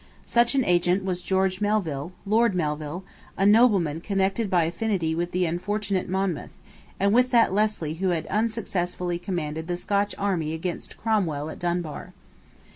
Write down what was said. Such an agent was George Melville, Lord Melville, a nobleman connected by affinity with the unfortunate Monmouth, and with that Leslie who had unsuccessfully commanded the Scotch army against Cromwell at Dunbar.